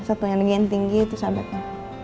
satu yang lagi yang tinggi itu sahabatnya